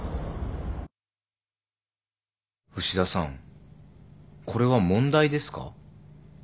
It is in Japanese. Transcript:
牛田さんこれは問題ですか？